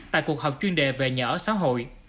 tại cuộc họp chuyên đề về nhà ở xã hội